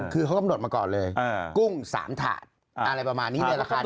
คือเขากำหนดมาก่อนเลยกุ้ง๓ถาดอะไรประมาณนี้ในราคานี้